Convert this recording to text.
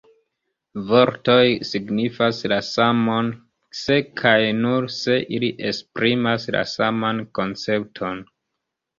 Vortoj signifas la samon se kaj nur se ili esprimas la saman koncepton.